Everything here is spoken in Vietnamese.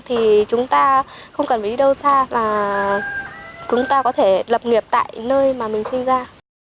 thì chúng ta không cần phải đi đâu xa mà chúng ta có thể lập nghiệp tại nơi mà mình sinh ra